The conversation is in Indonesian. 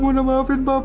maafin pab maafin papa